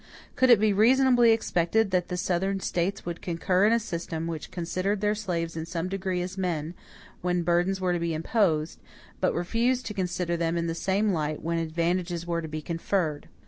Could it be reasonably expected, that the Southern States would concur in a system, which considered their slaves in some degree as men, when burdens were to be imposed, but refused to consider them in the same light, when advantages were to be conferred?